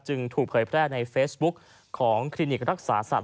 ถูกเผยแพร่ในเฟซบุ๊กของคลินิกรักษาสัตว